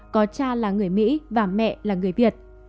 có cha là người mỹ và mẹ là người việt